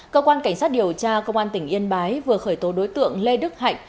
cơ quan cảnh sát điều tra công an tỉnh yên bái vừa khởi tố đối tượng lê đức hạnh